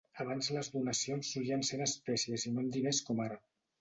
Abans les donacions solien ser en espècies i no en diners com ara.